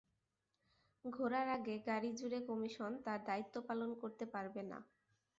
ঘোড়ার আগে গাড়ি জুড়ে কমিশন তার দায়িত্ব পালন করতে পারবে না।